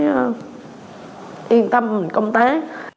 yên tâm công tác